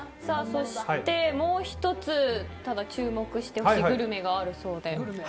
そしてもう１つ、注目してほしいグルメがあるそうで。